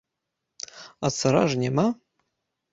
А цара ж няма.